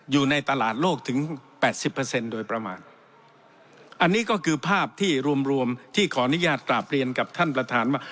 อยู่ในตลาดโลกถึงแปดสิบเปอร์เซ็นต์โดยประมาณอันนี้ก็คือภาพที่รวมรวมที่ขออนุญาตกราบเรียนกับท่านประธานว่า